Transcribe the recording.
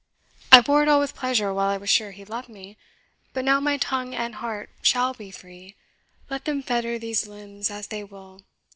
I bore it all with pleasure while I was sure he loved me; but now my tongue and heart shall be free, let them fetter these limbs as they will.